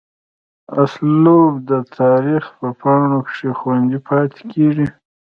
اسلوب دَ تاريخ پۀ پاڼو کښې خوندي پاتې کيږي